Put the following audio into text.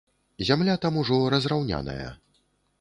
Зямля там ужо разраўняная.